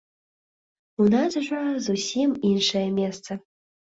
У нас жа зусім іншае месца.